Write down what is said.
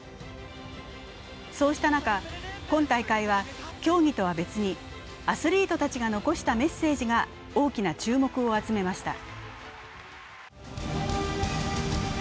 そうした中、今大会は競技とは別にアスリートたちが残したメッセージが大きな注目を集めました。